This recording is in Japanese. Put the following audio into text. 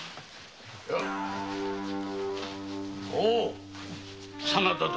おぅ真田殿。